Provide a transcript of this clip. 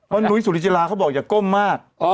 นุ้ยสุริจิลาเขาบอกอย่าก้มมาก